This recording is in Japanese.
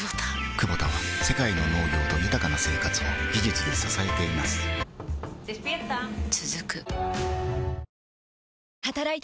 クボタは世界の農業と豊かな生活を技術で支えています起きて。